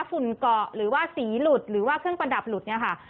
ฝุ่นเกาะหรือว่าสีหลุดหรือว่าเครื่องประดับหลุดเนี่ยค่ะ